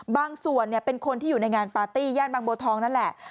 บางส่วนเป็นคนที่อยู่ในงานปาร์ตี้ย่านบางบัวทองนั่นแหละ